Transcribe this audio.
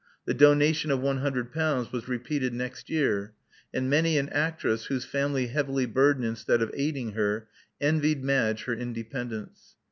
The donation of one hundred pounds was repeated next year; and many an actress whose family heavily burdened instead of aiding her, envied Madge her independence.